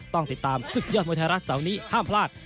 ต้องติดตามศึกยอดมวยไทยรัฐเสาร์นี้ห้ามพลาด